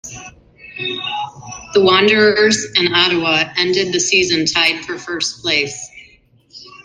The Wanderers and Ottawa ended the season tied for first place.